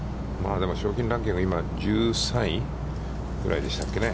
でも賞金ランキング、１３位ぐらいでしたっけね。